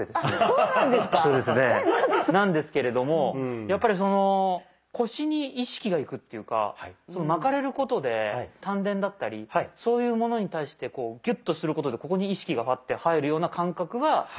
そうなんですか⁉なんですけれどもやっぱりその腰に意識がいくっていうか巻かれることで丹田だったりそういうものに対してこうギュッとすることでここに意識がパッて入るような感覚は経験したことがあるというか。